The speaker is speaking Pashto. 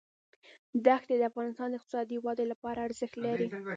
دښتې د افغانستان د اقتصادي ودې لپاره ارزښت لري.